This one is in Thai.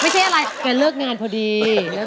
ใจเลือกหนันพอดี